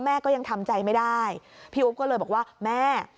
แม่ก็ยังทำใจไม่ได้พี่อุ๊บก็เลยบอกว่าแม่